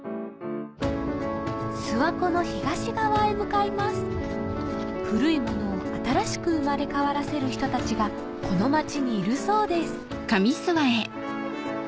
諏訪湖の東側へ向かいます古いものを新しく生まれ変わらせる人たちがこの町にいるそうですん？